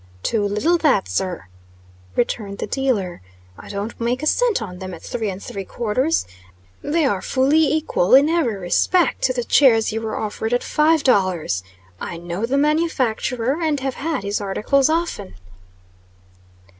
"Too little, that, sir," returned the dealer. "I don't make a cent on them at three and three quarters. They are fully equal, in every respect, to the chairs you were offered at five dollars. I know the manufacturer, and have had his articles often."